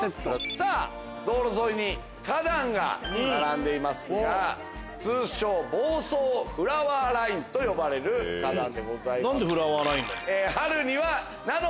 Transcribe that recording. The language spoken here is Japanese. さぁ道路沿いに花壇が並んでいますが房総フラワーラインと呼ばれる花壇でございます。